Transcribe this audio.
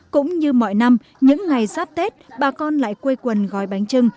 cũng như mọi năm những ngày sắp tết bà con lại quây quần gói bánh trà